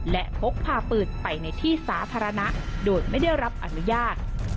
และพกพาปืนไปในที่สาธารณะโดยไม่ได้รับอนุญาต